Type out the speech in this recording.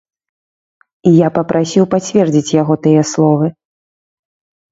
І я папрасіў пацвердзіць яго тыя словы.